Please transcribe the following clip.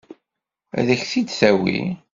Ad k-t-id-tawi?